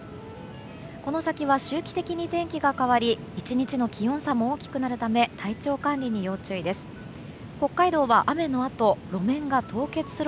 この先は周期的に天気が変わり１日の気温差も大きくなるため体調管理に要注意です。